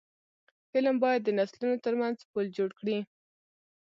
فلم باید د نسلونو ترمنځ پل جوړ کړي